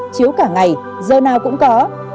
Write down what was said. chiếu cả ngày giờ nào cũng có